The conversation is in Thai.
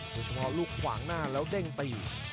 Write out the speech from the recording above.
เฉพาะลูกขวางหน้าแล้วเด้งตี